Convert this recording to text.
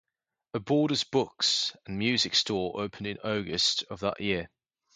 A Borders Books and Music store opened in August of that year.